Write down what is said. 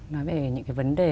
nói về những vấn đề